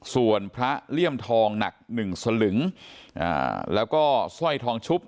ส่วนพระเลี่ยมทองหนักหนึ่งสลึงแล้วก็สร้อยทองชุบ